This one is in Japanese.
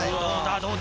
どうだ？